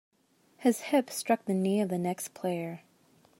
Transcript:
His hip struck the knee of the next player.